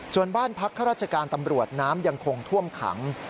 ส่วนบ้านพักข้าราชการตำรวจน้ำยังคงท่วมขัง